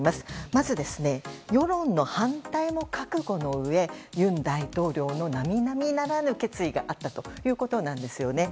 まず、世論の反対も覚悟のうえ尹大統領の並々ならぬ決意があったということなんですね。